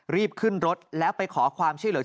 รีบขึ้นรถแล้วไปขอความช่วยเหลือ